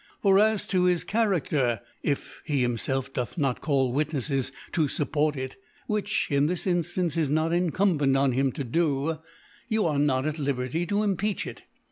for as to bis Cha* t9&tr^ if4ie hisnfclf doth not callWitnefies to iupport it (which in this Infiance 16 not in cumbent on him to do) you are not at Li ■bcriy to impeach it.